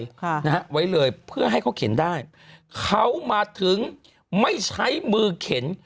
ค่ะนะฮะไว้เลยเพื่อให้เขาเข็นได้เขามาถึงไม่ใช้มือเข็น